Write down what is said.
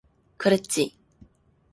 그랬지.